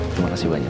terima kasih banyak